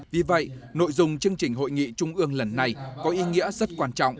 vì vậy nội dung chương trình hội nghị trung ương lần này có ý nghĩa rất quan trọng